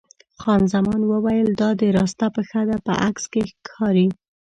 خان زمان وویل: دا دې راسته پښه ده، په عکس کې یې ښکاري.